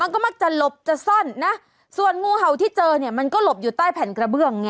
ก็มักจะหลบจะซ่อนนะส่วนงูเห่าที่เจอเนี่ยมันก็หลบอยู่ใต้แผ่นกระเบื้องไง